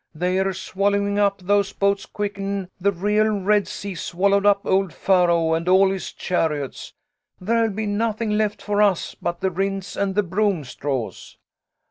"They're swallowing up those boats quicker'n the real Red Sea swallowed up old Pharaoh and all his chariots. There'll be nothing left for us but the rinds and the broom straws."